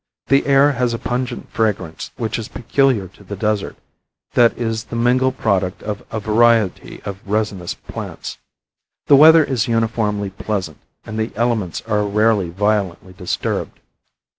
The air has a pungent fragrance which is peculiar to the desert, that is the mingled product of a variety of resinous plants. The weather is uniformly pleasant, and the elements are rarely violently disturbed.